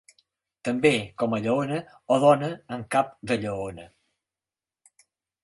També com lleona, o dona amb cap de lleona.